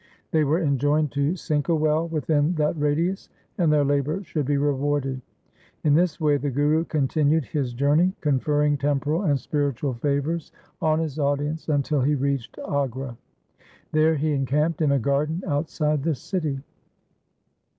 They were enjoined to sink a well within that radius, and their labour should be rewarded. In this way the Guru continued his journey, conferring temporal and spiritual favours on his audience until he reached Agra. There he encamped in a garden outside the city.